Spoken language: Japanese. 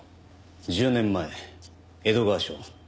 １０年前江戸川署。